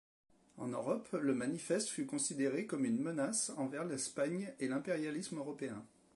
En Europe, le manifeste fut considéré comme une menace envers l'Espagne et l'impérialisme européen.